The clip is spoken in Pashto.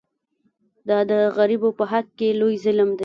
دا د غریبو په حق کې لوی ظلم دی.